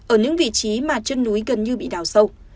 ở những vị trí mà chân núi gần như bị đào sâu